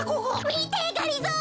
みてがりぞー！